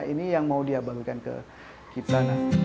ini yang mau dia bagikan ke kita